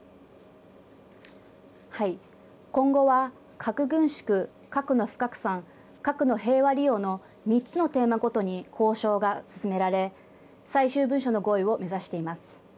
今後は核軍縮核の不拡散核の平和利用の３つのテーマごとに交渉が進められ最終文書の合意を目指しています。